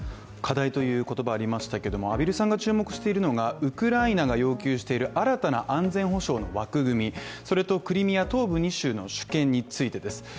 課題という言葉がありましたけれども畔蒜さんが注目しているのがウクライナが要求している新たな安全保障の枠組み、それとクリミア東部２州の主権についてです。